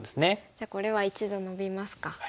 じゃあこれは一度ノビますか。